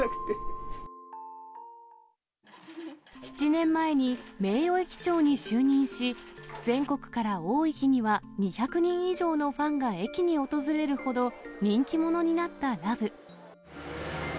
７年前に名誉駅長に就任し、全国から多い日には、２００人以上のファンが駅に訪れるほど、人気者になったらぶ。